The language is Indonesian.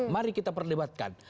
mari kita perdebatkan